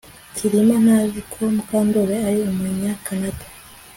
Kirima ntazi ko Mukandoli ari umunyakanada